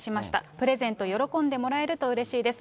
プレゼント喜んでもらえるとうれしいです。